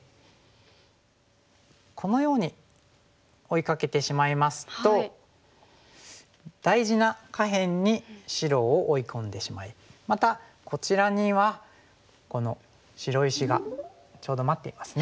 このように追いかけてしまいますと大事な下辺に白を追い込んでしまいまたこちらにはこの白石がちょうど待っていますね。